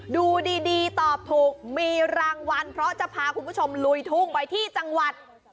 ดูดีตอบถูกมีรางวัลเพราะจะพาคุณผู้ชมลุยทุ่งไปที่จังหวัด